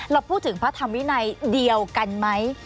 เราพูดถึงพระธรรมวินัยเดียวกันไหม